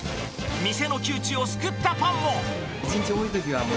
店の窮地を救ったパンも。